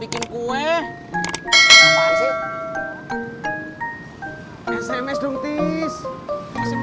kenapa bras e